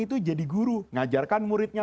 itu jadi guru ngajarkan muridnya